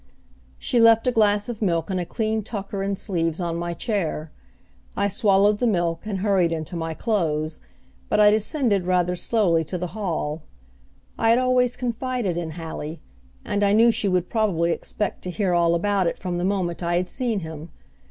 She left a glass of milk and a clean tucker and sleeves on my chair. I swallowed the milk, and hurried into my clothes, but I descended rather slowly to the hall. I had always confided in Hallie, and I knew she would probably expect to hear all about it from the moment I had seen him.